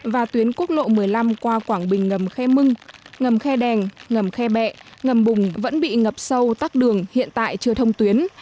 và tuyến quốc lộ một mươi năm qua quảng bình ngầm khe mưng ngầm khe đèn ngầm khe bẹ ngầm bùng vẫn bị ngập sâu tắc đường hiện tại chưa thông tuyến